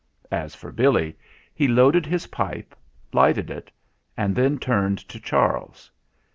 As for Billy, he loaded his pipe, lighted it, and then turned to Charles.